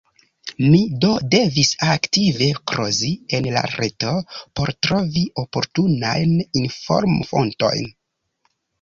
Mi do devis aktive krozi en la reto por trovi oportunajn informofontojn.